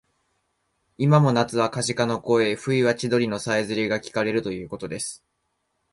いまも夏はカジカの声、冬は千鳥のさえずりがきかれるということです